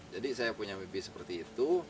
jadi saya punya mimpi seperti itu